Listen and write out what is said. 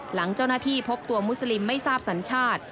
หลังเจ้าหน้าที่พบตัวมุสลิมไม่ทราบสัญชาติ